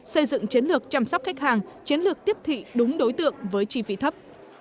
xây dựng chiến lược chăm sóc khách hàng chiến lược tiếp thị đúng đối tượng với chi phí thấp